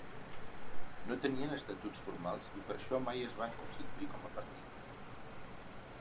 No tenien estatuts formals i per això mai no es van constituir com a partit.